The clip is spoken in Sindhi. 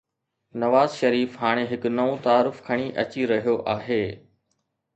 نواز شريف هاڻي هڪ نئون تعارف کڻي اچي رهيو آهي.